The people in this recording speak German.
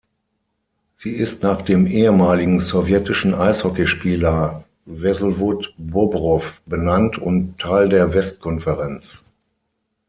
Sie ist nach dem ehemaligen sowjetischen Eishockeyspieler Wsewolod Bobrow benannt und Teil der West-Konferenz.